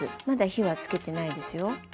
まだ火はつけてないですよ。